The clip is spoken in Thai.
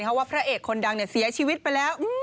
เพราะว่าพระเอกคนดังเสียชีวิตไปแล้ว